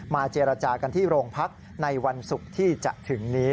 เจรจากันที่โรงพักในวันศุกร์ที่จะถึงนี้